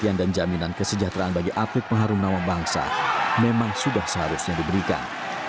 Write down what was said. perhatian dan jaminan kesejahteraan bagi atlet pengharum nama bangsa memang sudah seharusnya diberikan